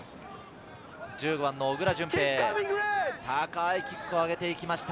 １５番・小倉順平、高いキックを上げていきました。